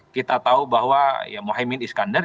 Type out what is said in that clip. kita tahu bahwa mohaimin iskandar